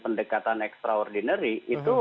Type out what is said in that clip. pendekatan ekstraordinari itu